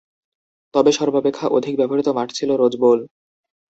তবে সর্বাপেক্ষা অধিক ব্যবহৃত মাঠ ছিল রোজ বোল।